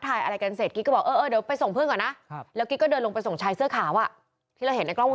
ทายอะไรกันเสร็จก็ออกดัวไปส่งเครื่องกันครับแล้วไปเดินลงไปส่งชายเสื้อขาววะที่เห็นกล้องวง